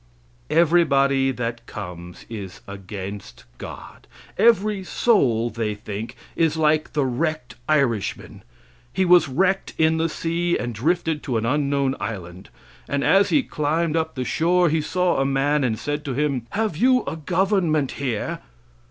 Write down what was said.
Everybody that comes is against God. Every soul, they think, is like the wrecked Irishman. He was wrecked in the sea and drifted to an unknown island, and as he climbed up the shore he saw a man, and said to him, "Have you a government here?"